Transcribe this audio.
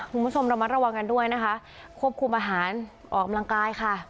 คุณผู้ชมระมัดระวังกันด้วยนะคะควบคุมอาหารออกกำลังกายค่ะ